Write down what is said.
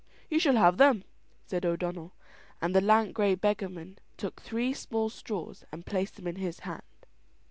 "You shall have them," said O'Donnell; and the lank grey beggarman took three small straws and placed them in his hand.